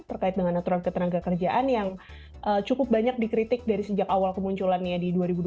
terkait dengan aturan ketenaga kerjaan yang cukup banyak dikritik dari sejak awal kemunculannya di dua ribu dua puluh